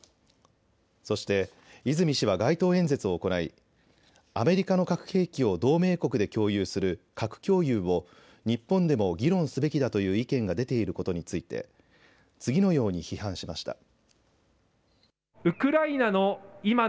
そして、泉氏は街頭演説を行いアメリカの核兵器を同盟国で共有する核共有を日本でも議論すべきだという意見が出ていることについて次のように批判しました。